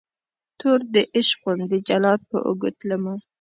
توردعشق وم دجلاد په اوږو تلمه